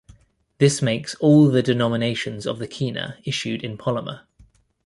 This makes all the denominations of the kina issued in polymer.